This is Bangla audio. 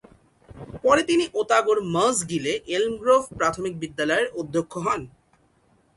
পরে তিনি ওতাগোর মসগিলে এলমগ্রোভ প্রাথমিক বিদ্যালয়ের অধ্যক্ষ হন।